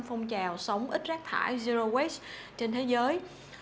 phong trào sống ít rác thải zero watch trên thế giới